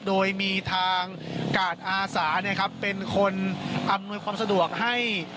โดยมีทางกาดอาสาเป็นคนอำนวยความสะดวกให้